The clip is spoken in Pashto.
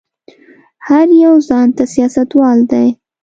هر يو ځان ته سياستوال دی.